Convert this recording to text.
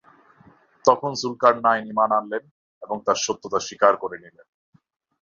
তখন যুলকারনাইন ঈমান আনলেন এবং তার সত্যতা স্বীকার করে নিলেন।